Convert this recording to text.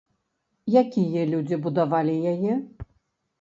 Якія людзі будавалі яе?